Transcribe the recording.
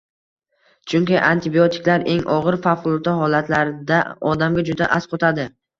chunki antibiotiklar eng og‘ir — favqulodda holatlarda odamga juda asqotadi»